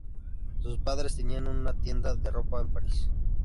Sus padres tenían una tienda de ropa en París.